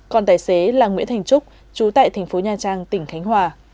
còn tài xế là nguyễn thành trúc chú tại thành phố nha trang tỉnh khánh hòa